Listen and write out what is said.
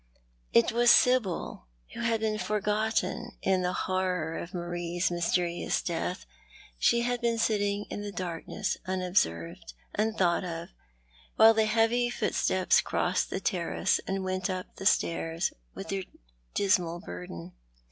It was Sibyl, who had been forgotten in the horror of Marie's mysterious death. She had been sitting in the dark ness, unobserved, unthought of, while the heavy footsteps crossed the terrace and went up the stairs with their dismal burden.